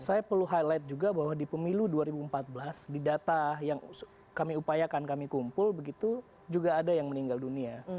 saya perlu highlight juga bahwa di pemilu dua ribu empat belas di data yang kami upayakan kami kumpul begitu juga ada yang meninggal dunia